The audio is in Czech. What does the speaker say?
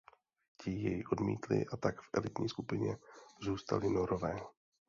Ti jej odmítli a tak v elitní skupině zůstali Norové.